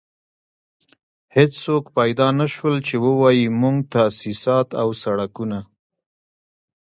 هېڅوک پيدا نه شول چې ووايي موږ تاسيسات او سړکونه.